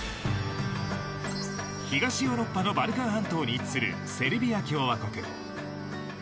東ヨーロッパのバルカン半島に位置するセルビア共和国。